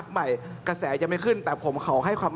ให้เพื่อไทยไหม